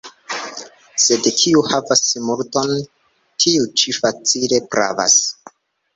Sed kiu havas multon, tiu ĉi facile pravas.